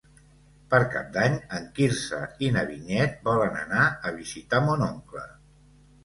Per Cap d'Any en Quirze i na Vinyet volen anar a visitar mon oncle.